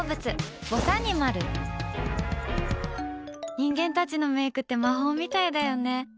人間たちのメイクって魔法みたいだよね。